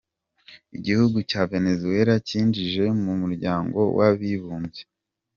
Igihugu cya Venezuela cyinjije mu muryango w’abibumbye.